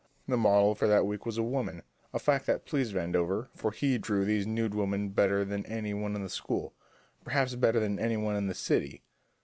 The model for that week was a woman, a fact that pleased Vandover, for he drew these nude women better than any one in the school, perhaps better than any one in the city.